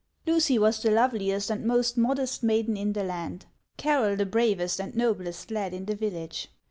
Lucy was the loveliest and most modest maiden in the land ; Carroll the bravest and noblest lad in the village.